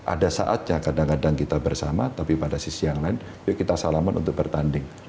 ada saatnya kadang kadang kita bersama tapi pada sisi yang lain yuk kita salaman untuk bertanding